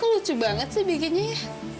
lucu banget sih bikinnya ya